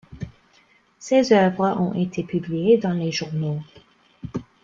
Ses œuvres ont été publiées dans les journaux.